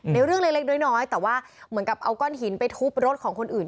เรื่องเล็กน้อยแต่ว่าเหมือนกับเอาก้อนหินไปทุบรถของคนอื่น